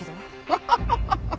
ハハハハ！